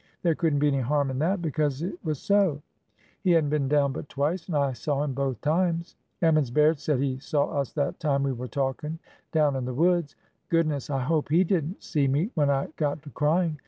There could n't be any harm in that because it was so. He had n't been down but twice, and I saw him both times. Emmons Baird said he saw us that time we were talking down in the woods. ... Goodness ! I hope he did n't see me when I got to crying!